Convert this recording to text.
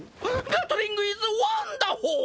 ガトリングイズワンダホー。